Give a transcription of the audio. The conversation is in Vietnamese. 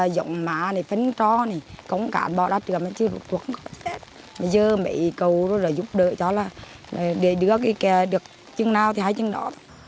để đưa được chứng nào thì hãy chứng đó